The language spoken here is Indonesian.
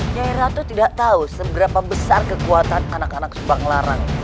nyair ratu tidak tahu seberapa besar kekuatan anak anak subanglarang